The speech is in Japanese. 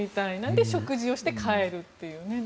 で、食事をして帰るという。